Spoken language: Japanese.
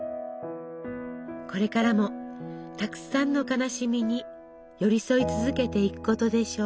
これからもたくさんの悲しみに寄り添い続けていくことでしょう。